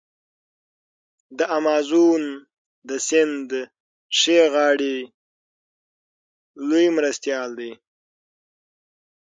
د امازون د سیند ښي غاړی لوی مرستیال دی.